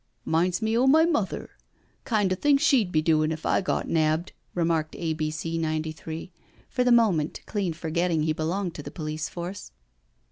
" 'Minds me o' my mother— kind of thing she'd be doin' if I got nabbed," remarked A. B. C. 93, for the moment clean forgetting he belonged to the police force.